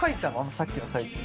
さっきの最中に？